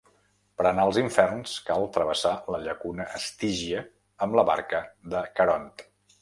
Per anar als inferns, cal travessar la llacuna Estígia amb la barca de Caront.